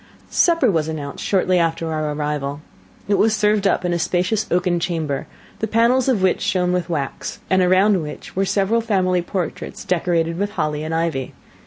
Supper was announced shortly after our arrival. It was served up in a spacious oaken chamber, the panels of which shone with wax, and around which were several family portraits decorated with holly and ivy.